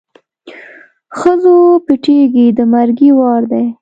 ښځو پټېږی د مرګي وار دی